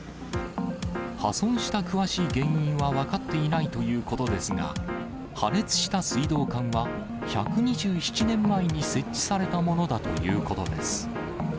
破損した詳しい原因は分かっていないということですが、破裂した水道管は、１２７年前に設置されたものだということです。